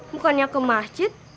bukannya ke masjid